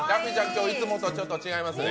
今日いつもとちょっと違いますね。